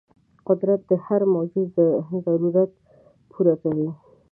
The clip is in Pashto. قدرت د هر موجود ضرورت پوره کوي.